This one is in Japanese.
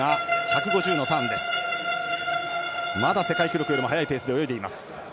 １５０のターンまだ世界記録よりも速いペースで泳いでいます。